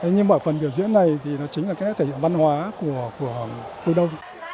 nhưng mà phần biểu diễn này thì nó chính là cách thể hiện văn hóa của khu đông